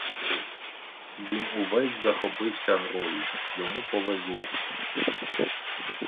Він увесь захопився грою, йому повезло.